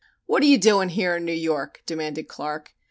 "What are you doing here in New York?" demanded Clark.